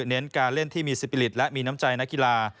เน้นการเล่นที่มีสปิลิตและมีน้ำใจนักกีฬา